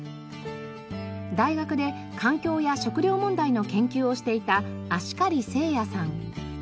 大学で環境や食糧問題の研究をしていた葦苅晟矢さん。